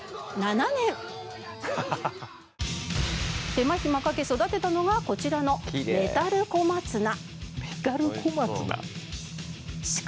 手間暇かけ育てたのがこちらのメタル小松菜？